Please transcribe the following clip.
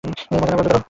মজা নেওয়া বন্ধ কর।